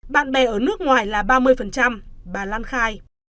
bạn bè ở nước ngoài là ba mươi bà lan khai